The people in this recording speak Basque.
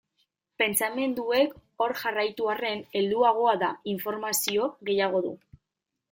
Pentsamenduek hor jarraitu arren, helduagoa da, informazio gehiago du.